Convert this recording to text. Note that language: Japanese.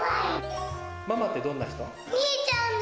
ママってどんな人？